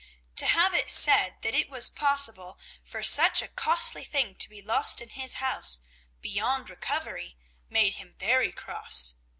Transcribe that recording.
To have it said that it was possible for such a costly thing to be lost in his house, beyond recovery, made him very cross.